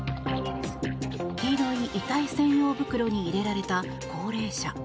黄色い遺体専用袋に入れられた高齢者。